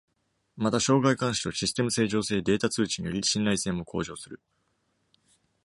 また、障害監視とシステム正常性データ通知により、信頼性も向上する。